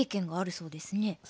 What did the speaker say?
そうですね。